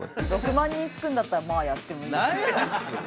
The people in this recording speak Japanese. ６万人つくんだったらまあやってもいい。